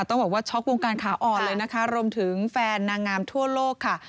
ต้องบอกว่าช็อกวงการขาอ่อนเลยนะคะรวมถึงแฟนนางงามทั่วโลกค่ะ